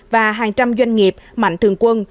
và hàng trăm doanh nghiệp mạnh thường quân